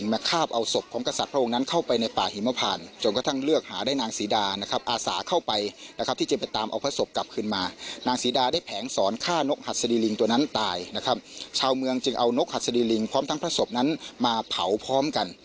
นางศรีดานั้นตายชาวเมืองจึงเอานกหัสดีลิงค์พร้อมทางพระศพมาเผาพร้อมกัน